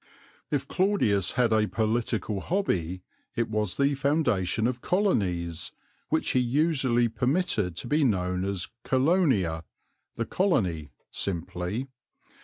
If Claudius had a political hobby it was the foundation of colonies, which he usually permitted to be known as Colonia, "the Colony," simply.